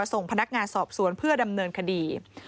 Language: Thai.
ส่งพนักงานสอบสวนเพื่อดำเนินคดี